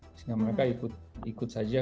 sehingga mereka ikut saja